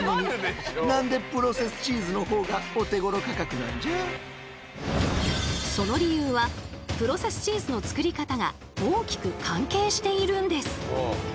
それにしてもその理由はプロセスチーズの作り方が大きく関係しているんです。